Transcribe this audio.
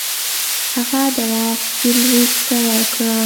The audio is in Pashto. هغه دوا فلیریک ته ورکړه.